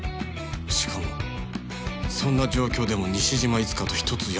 しかもそんな状況でも西島いつかと一つ屋根の下って